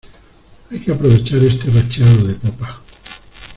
hay que aprovechar este racheado de popa.